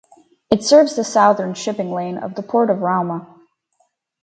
It serves the southern shipping lane of the Port of Rauma.